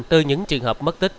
từ những trường hợp mất tích